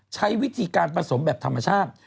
ใช้วิธีการผสมแบบธรรมชาติ